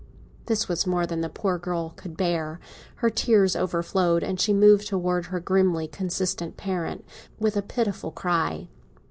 This was more than the poor girl could bear; her tears overflowed, and she moved towards her grimly consistent parent with a pitiful cry.